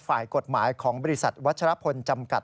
ฝ่ายกฎหมายของบริษัทวัชรพลจำกัด